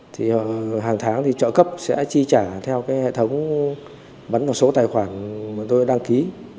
thì hàng tháng thì trợ cấp sẽ chi trả theo cái hệ thống bắn vào số tài khoản mà tôi đăng ký